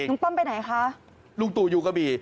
ลุงป้อมไปไหนคะลุงตู่ยูกบี